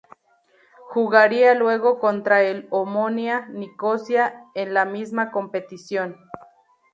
Jugaría luego contra el Omonia Nicosia en la misma competición.